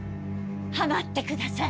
ハマってください！